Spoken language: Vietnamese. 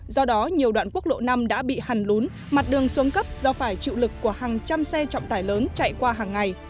do đó nhiều đoạn quốc lộ năm đã bị hành lún mặt đường xuống cấp do phải chịu lực của hàng trăm xe trọng tải lớn chạy qua hàng ngày